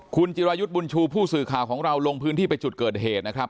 คุณจิรายุทธ์บุญชูผู้สื่อข่าวของเราลงพื้นที่ไปจุดเกิดเหตุนะครับ